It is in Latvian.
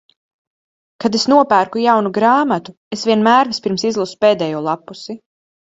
Kad es nopērku jaunu grāmatu, es vienmēr vispirms izlasu pēdējo lappusi.